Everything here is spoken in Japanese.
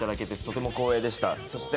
とても光栄でした。